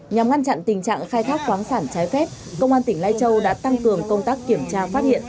nhằm ngăn chặn tình trạng khai thác khoáng sản trái phép công an tỉnh lai châu đã tăng cường công tác kiểm tra phát hiện